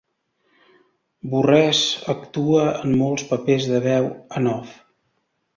Burress actua en molts papers de veu en off.